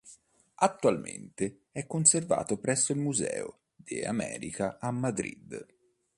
Attualmente è conservato presso il Museo de América a Madrid.